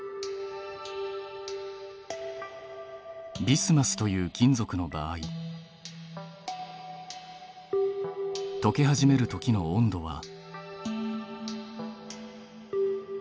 ビスマスという金属の場合とけ始めるときの温度は。